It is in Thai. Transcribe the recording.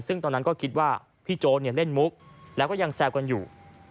ซึ่งตอนนั้นก็คิดว่าพี่โจ๊เล่นมุกแล้วก็ยังแซวกันอยู่